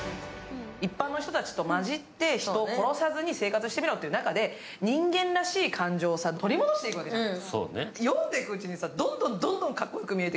一般の人たちとまじって、人を殺さずに生活してみろっていう中で、人間らしい感情を取り戻していくわけじゃない。